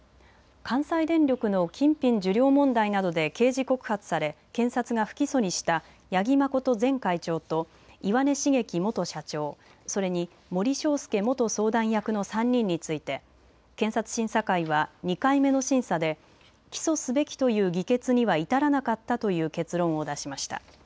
関西電力の金品受領問題などで刑事告発され検察が不起訴にした八木誠前会長と岩根茂樹元社長、それに森詳介元相談役の３人について検察審査会は２回目の審査で起訴すべきという議決には至らなかったという結論を出しました。